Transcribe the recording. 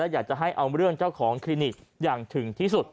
อยากจะให้เอาเรื่องเจ้าของคลินิกอย่างถึงที่สุด